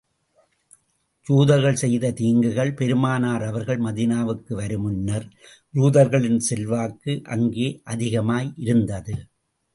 யூதர்கள் செய்த தீங்குகள் பெருமானார் அவர்கள் மதீனாவுக்கு வருமுன்னர், யூதர்களின் செல்வாக்கு அங்கே அதிகமாயிருந்தது.